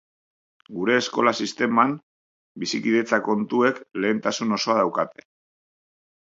Gure eskola sisteman bizikidetza kontuek lehentasun osoa daukate.